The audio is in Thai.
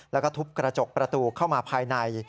แล้วก็ทุบกระจกประตูเข้ามาภายใน